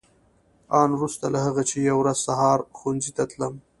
آن وروسته له هغه چې یوه ورځ سهار ښوونځي ته تلم.